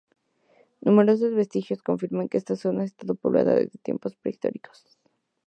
Numerosos vestigios confirman que esta zona ha estado poblada desde tiempos prehistóricos.